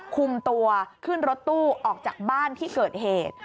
คุมตัวขึ้นรถตู้ออกจากบ้านที่เกิดเหตุ